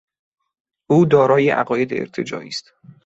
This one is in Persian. او دارای عقاید ارتجاعی است.